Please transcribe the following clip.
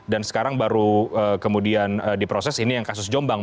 dan sekarang baru kemudian diproses ini yang kasus jombang